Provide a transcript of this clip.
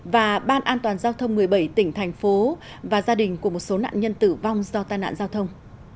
và ban an toàn giao thông một mươi bảy tỉnh thành phố và gia đình của một số nạn nhân tử vong do tai nạn giao thông